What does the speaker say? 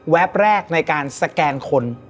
เว็บแรกในการสแกนคน